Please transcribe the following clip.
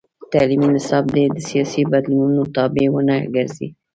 تعلیمي نصاب باید د سیاسي بدلونونو تابع ونه ګرځي.